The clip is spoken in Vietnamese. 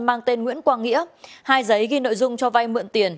mang tên nguyễn quang nghĩa hai giấy ghi nội dung cho vay mượn tiền